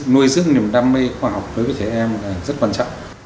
nuôi dưỡng niềm đam mê khoa học đối với trẻ em là rất quan trọng